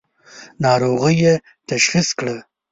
ناروغۍ یې تشخیص کړه.